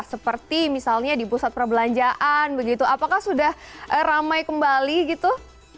seperti misalnya di pusat perbelanjaan begitu apakah sudah ramai kembali gitu